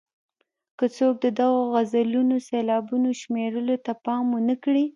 که څوک د دغو غزلونو سېلابونو شمېرلو ته پام ونه کړي.